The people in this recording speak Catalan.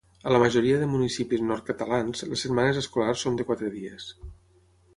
A la majoria de municipis nord-catalans, les setmanes escolars són de quatre dies.